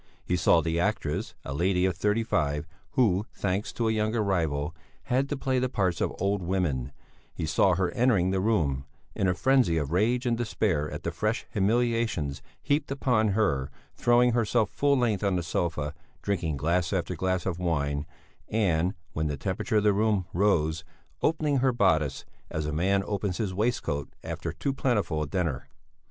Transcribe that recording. He saw the actress, a lady of thirty five who, thanks to a younger rival, had to play the parts of old women; he saw her entering the room, in a frenzy of rage and despair at the fresh humiliations heaped upon her, throwing herself full length on the sofa, drinking glass after glass of wine and, when the temperature of the room rose, opening her bodice, as a man opens his waistcoat after a too plentiful dinner.